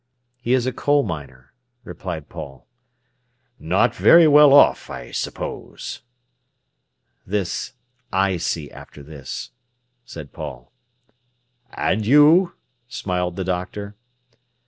"He is a coal miner," replied Paul. "Not very well off, I suppose?" "This—I see after this," said Paul. "And you?" smiled the doctor.